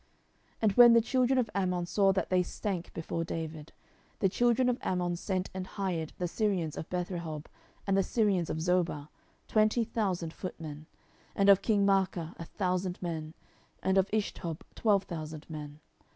10:010:006 And when the children of Ammon saw that they stank before David, the children of Ammon sent and hired the Syrians of Bethrehob and the Syrians of Zoba, twenty thousand footmen, and of king Maacah a thousand men, and of Ishtob twelve thousand men.